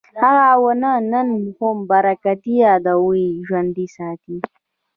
هغه ونه نن هم برکتي یادونه ژوندي ساتي.